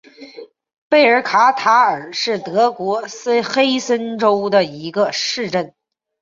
贝尔卡塔尔是德国黑森州的一个市镇。